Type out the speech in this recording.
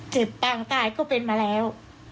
เจ็บต่างตายก็เป็นมาแล้ว